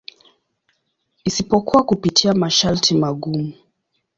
Isipokuwa kupitia masharti magumu.